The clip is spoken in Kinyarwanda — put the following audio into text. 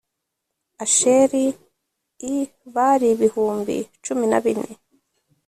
Asheri l bari ibihumbi cumi na bine